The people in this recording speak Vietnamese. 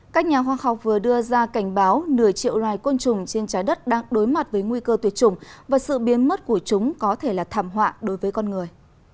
các nhà khoa học vừa đưa ra cảnh báo nửa triệu loài côn trùng trên trái đất đang đối mặt với nguy cơ tuyệt chủng và sự biến mất của chúng có thể là thảm họa đối với con người